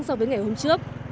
so với ngày hôm trước